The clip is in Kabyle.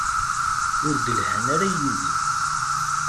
Ur d-lhan ara yid-i.